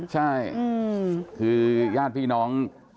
ใช่คือญาติพี่น้อง